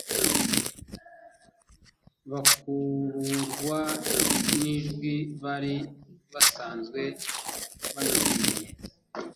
bakururwa n'ijwi bari basanzwe bamenyereye.